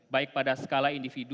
baik pada skala individu